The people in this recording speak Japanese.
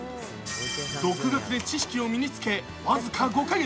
独学で知識を身につけ、僅か５か月。